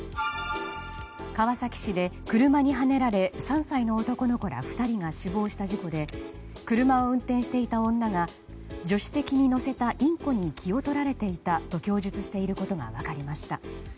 川崎市で車にはねられ、３歳の男の子ら２人が死亡した事故で車を運転していた女が助手席に乗せていたインコに気を取られていたと供述していることが分かりました。